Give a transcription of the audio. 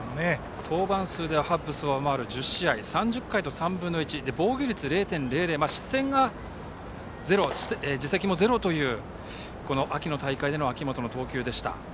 登板数ではハッブスを上回る１０試合３０回と３分の１防御率０．００、失点が０自責も０という秋の大会での秋本の投球でした。